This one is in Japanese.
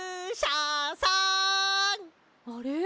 あれ？